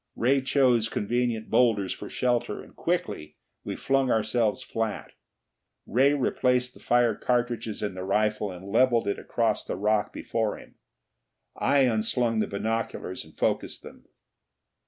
Ray chose convenient boulders for shelter and quickly we flung ourselves flat. Ray replaced the fired cartridges in the rifle and leveled it across the rock before him. I unslung the binoculars and focussed them.